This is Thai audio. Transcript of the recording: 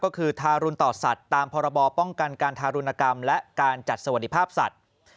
ก็คือทารุณต่อสัตว์ตามพรบป้องกันการทารุณกรรมและการจัดสวัสดิภาพสัตว์